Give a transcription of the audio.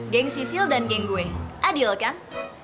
geng sisil dan geng gue adil kan